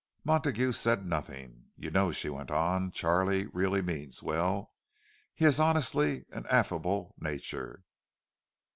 Montague said nothing. "You know," she went on, "Charlie really means well. He has honestly an affectionate nature."